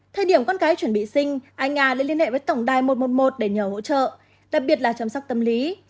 thời điểm con cái chuẩn bị sinh anh nga đã liên hệ với tổng đài một trăm một mươi một để nhờ hỗ trợ đặc biệt là chăm sóc tâm lý